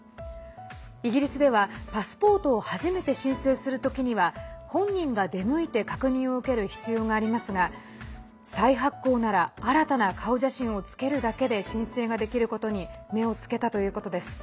イギリスでは、パスポートを初めて申請する時には本人が出向いて確認を受ける必要がありますが再発行なら新たな顔写真をつけるだけで申請ができることに目をつけたということです。